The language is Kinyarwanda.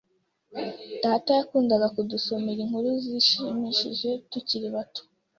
Data yakundaga kudusomera inkuru zishimishije tukiri bato.